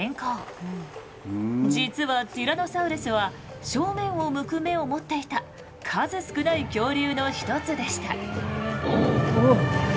実はティラノサウルスは正面を向く目を持っていた数少ない恐竜の一つでした。